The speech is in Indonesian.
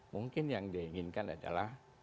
mungkin yang diinginkan adalah